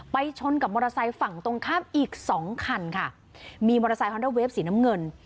ชนกับมอเตอร์ไซค์ฝั่งตรงข้ามอีกสองคันค่ะมีมอเตอร์ไซคอนด้าเวฟสีน้ำเงิน